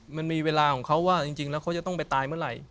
มันมีเวลาของเขาว่าจริงแล้วเขาจะต้องไปตายเมื่อไหร่